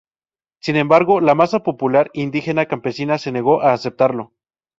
Sin embargo, la masa popular indígena campesina se negó a aceptarlo.